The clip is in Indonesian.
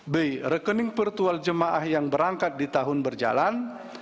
b rekening virtual jemaah yang berangkat di tahun berjalan